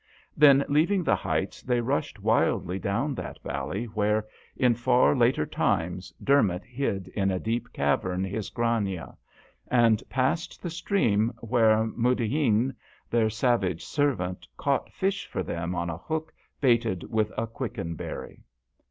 Then leaving the heights they rushed wildly down that valley where, in far later times, Dermot hid in a deep cavern his Grania, and passed the stream where Muad han, their savage servant, caught fish for them on a hook baited with a quicken berry.